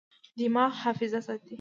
دماغ حافظه ساتي.